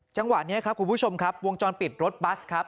จังหวะนี้ครับคุณผู้ชมครับวงจรปิดรถบัสครับ